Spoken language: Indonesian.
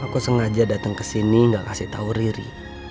aku sengaja datang kesini gak kasih tau riri